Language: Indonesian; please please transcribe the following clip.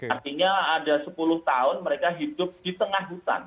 artinya ada sepuluh tahun mereka hidup di tengah hutan